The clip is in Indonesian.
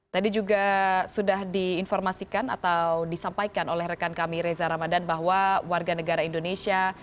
tadi juga sudah diinformasikan atau disampaikan oleh rekan kami reza ramadan bahwa warga negara indonesia